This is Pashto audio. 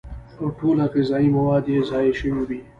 او ټول غذائي مواد ئې ضايع شوي وي